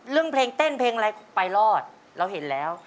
เรื่องเพลงเต้นเพลงอะไรไปรอดเราเห็นแล้ว